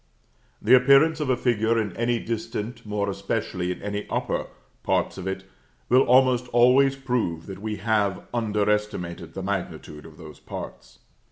The appearance of a figure in any distant, more especially in any upper, parts of it will almost always prove that we have under estimated the magnitude of those parts.